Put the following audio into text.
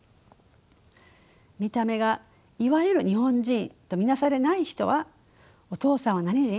見た目がいわゆる日本人と見なされない人はお父さんは何人？